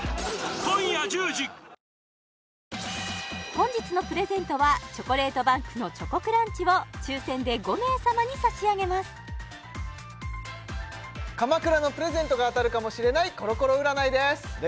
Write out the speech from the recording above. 本日のプレゼントはＣＨＯＣＯＬＡＴＥＢＡＮＫのチョコクランチを抽選で５名様に差し上げます鎌倉のプレゼントが当たるかもしれないコロコロ占いですじゃ